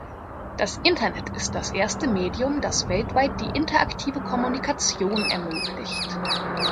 Das Internet ist das erste Medium, das weltweit die interaktive Kommunikation ermöglicht.